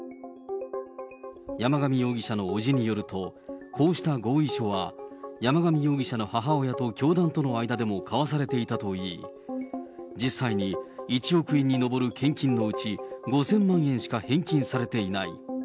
山上容疑者の伯父によると、こうした合意書は、山上容疑者の母親と教団との間でも交わされていたといい、実際に１億円に上る献金のうち、５０００万円しか返金されていない。